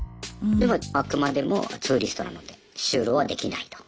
でもあくまでもツーリストなので就労はできないと。